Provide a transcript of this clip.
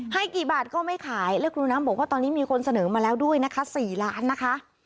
ให้กี่บาทก็ไม่ขายและครูน้ำบอกว่าตอนนี้มีคนเสนอมาแล้วด้วยนะคะ๔ล้านนะคะ